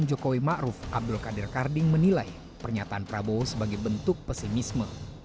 jokowi ma'ruf abdul qadir karding menilai pernyataan prabowo sebagai bentuk pesimisme